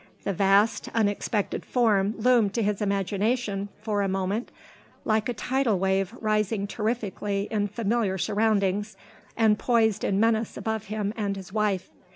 The vast, unexpected form loomed to his imagination, for a moment, like a tidal wave rising terrifically in familiar surroundings and poised in menace above him and his wife.